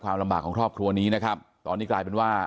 อายุ๑๐ปีนะฮะเขาบอกว่าเขาก็เห็นถูกยิงนะครับ